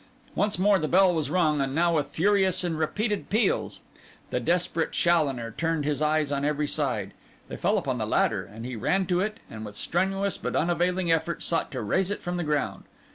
Once more the bell was rung, and now with furious and repeated peals. The desperate Challoner turned his eyes on every side. They fell upon the ladder, and he ran to it, and with strenuous but unavailing effort sought to raise it from the ground.